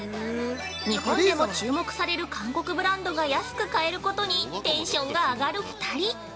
◆日本でも注目される韓国ブランドが安く買えることにテンションが上がる２人。